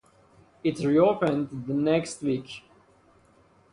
It reopened the next week.